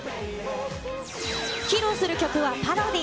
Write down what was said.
披露する曲はパロディ。